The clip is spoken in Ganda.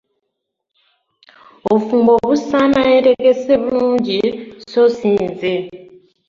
Obufumbo busaana yeetegese bulungi so si nze.